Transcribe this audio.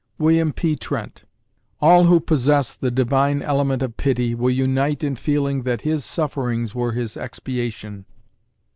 WILLIAM P. TRENT All who possess the divine element of pity will unite in feeling that his sufferings were his expiation.